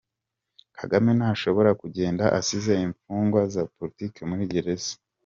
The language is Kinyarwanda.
Kagame ntashobora kugenda asize imfungwa za politiki muri gereza.